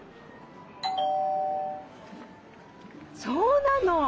そうなの！